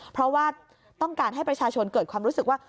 เพราะว่าต้องการให้ประชาชนเกิดความรู้สึกว่า